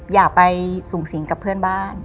อย่าไปสูงสิงกับเพื่อนบ้าน